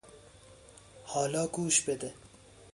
حالا گوش بده!